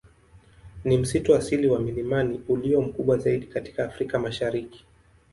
Ni msitu asili wa milimani ulio mkubwa zaidi katika Afrika Mashariki.